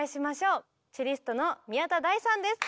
チェリストの宮田大さんです！